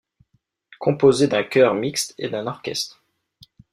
Composée d'un chœur mixte et d'un orchestre.